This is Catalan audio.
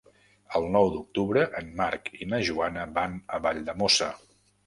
El nou d'octubre en Marc i na Joana van a Valldemossa.